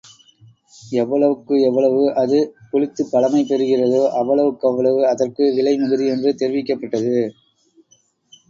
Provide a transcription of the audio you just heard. எவ்வளவுக்கு எவ்வளவு அது புளித்துப் பழமை பெறுகிறதோ அவ்வளவுக்கவ்வளவு அதற்கு விலை மிகுதி என்று தெரிவிக்கப் பட்டது.